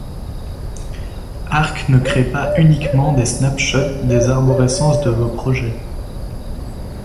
Arch ne crée pas uniquement des snapshots des arborescences de vos projets.